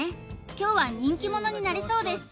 今日は人気者になれそうです